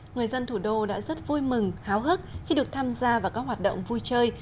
người dân thủ đô đã rất vui mừng háo hức khi được tham gia vào các hoạt động vui chơi